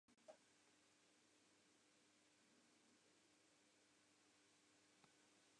Myn eks is der ek en dat is earlik sein in minder noflike ferrassing.